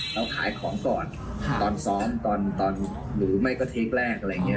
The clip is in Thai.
เราขายของก่อนตอนซ้อมตอนหรือไม่ก็เทคแรกอะไรอย่างนี้